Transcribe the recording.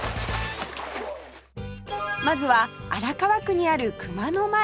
まずは荒川区にある熊野前